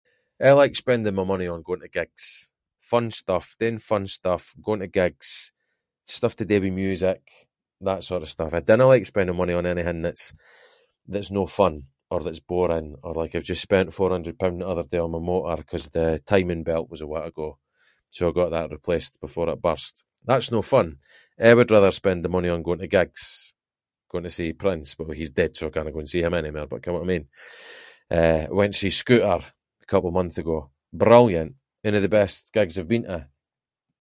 I like spending my money on going to gigs. Fun stuff, doing fun stuff, going to gigs, stuff to do with music, that sort of stuff. I dinna like spending money on anything that’s- that’s no fun or that’s boring, or like I’ve just spent four-hundred pound the other day on my motor ‘cause the timing belt was awa’ to go so I got that replaced before it burst. That’s no fun, I would rather spend the money on going to gigs, going to see Prince, well he’s dead, so I canna go and see him any mair, but ken what I mean? Eh, I went to see Scooter, a couple of month ago, brilliant, ain of the best gigs I’ve been to.